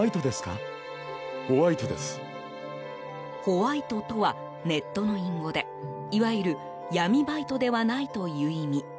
ホワイトとはネットの隠語でいわゆる、闇バイトではないという意味。